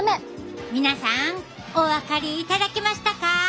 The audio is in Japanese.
皆さんお分かりいただけましたか？